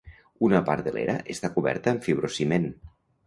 Una part de l'era està coberta amb fibrociment.